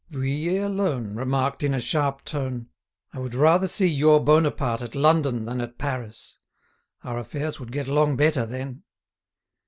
Vuillet alone remarked in a sharp tone: "I would rather see your Bonaparte at London than at Paris. Our affairs would get along better then."